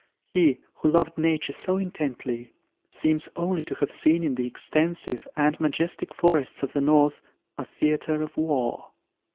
He, who loved Nature so intently, seems only to have seen in the extensive and majestic forests of the north, a theatre of war.